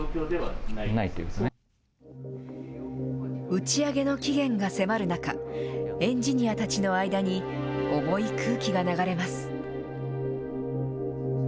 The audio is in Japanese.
打ち上げの期限が迫る中、エンジニアたちの間に重い空気が流れます。